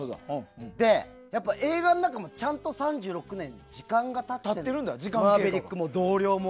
で、映画の中もちゃんと３６年時間が経ってるのマーヴェリックも同僚も。